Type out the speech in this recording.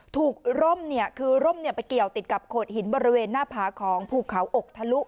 กร่มคือร่มไปเกี่ยวติดกับโขดหินบริเวณหน้าผาของภูเขาอกทะลุ